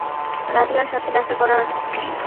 রাজিয়ার সাথে দেখার করার নেই।